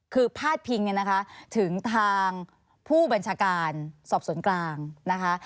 คือพาดพิงเนี่ยนะคะถึงทางผู้บัญชาการสอบสวนกลางนะคะ